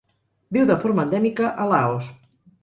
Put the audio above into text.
Viu de forma endèmica a Laos.